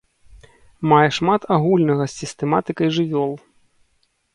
Мае шмат агульнага з сістэматыкай жывёл.